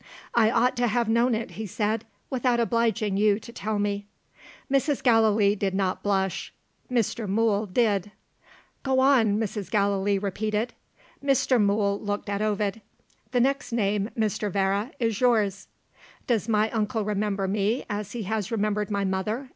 "I ought to have known it," he said, "without obliging you to tell me." Mrs. Gallilee did not blush. Mr. Mool did. "Go on!" Mrs. Gallilee repeated. Mr. Mool looked at Ovid. "The next name, Mr. Vere, is yours." "Does my uncle remember me as he has remembered my mother?"